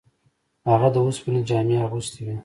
هغه د اوسپنې جامې اغوستې وې.